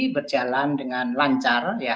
berjalan dengan lancar ya